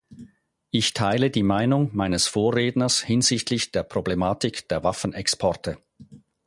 Ich teile die Meinung meines Vorredners hinsichtlich der Problematik der Waffenexporte.